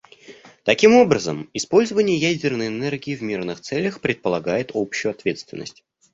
Таким образом, использование ядерной энергии в мирных целях предполагает общую ответственность.